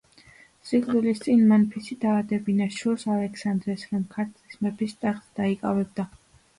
სიკვდილის წინ მან ფიცი დაადებინა შვილს, ალექსანდრეს, რომ ქართლის მეფის ტახტს დაიკავებდა.